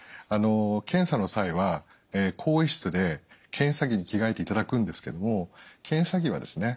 検査の際は更衣室で検査着に着替えていただくんですけども検査着はですね